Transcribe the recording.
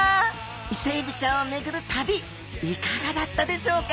イセエビちゃんを巡る旅いかがだったでしょうか？